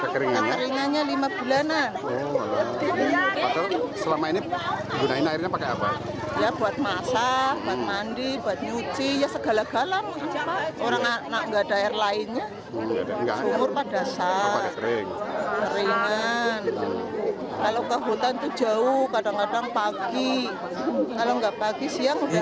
kalau enggak pagi siang udah habis